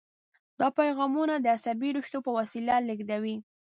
دا پیغامونه د عصبي رشتو په وسیله لیږدوي.